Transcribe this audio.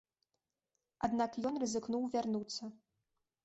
Аднак ён рызыкнуў вярнуцца.